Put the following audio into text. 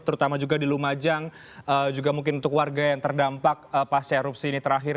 terutama juga di lumajang juga mungkin untuk warga yang terdampak pas erupsi ini terakhir